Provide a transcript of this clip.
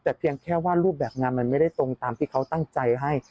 แต่เพียงแค่ว่ารูปแบบงานมันไม่ได้ตรงตามที่เขาตั้งใจให้